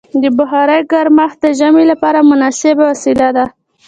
د بخارۍ ګرمښت د ژمي لپاره مناسبه وسیله ده.